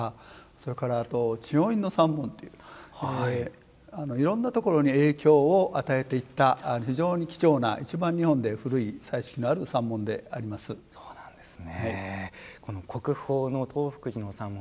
それからあと知恩院の三門いろんなところに影響を与えていった非常に貴重ないちばん日本で古い国宝の東福寺の三門。